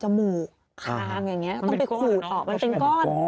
จะหมุคามอย่างนี้มันต้องไปขูดออกมาเป็นก้อน